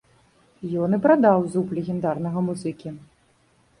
Ён і прадаў зуб легендарнага музыкі.